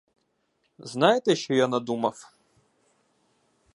Знаєте, що я надумав.